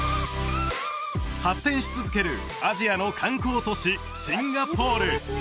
発展し続けるアジアの観光都市シンガポール